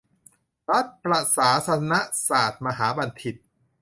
รัฐประศาสนศาสตรมหาบัณฑิต